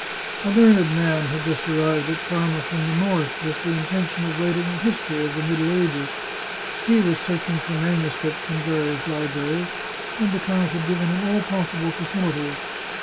A learned man had just arrived at Parma from the north, with the intention of writing a history of the middle ages. He was searching for manuscripts in various libraries, and the count had given him all possible facilities.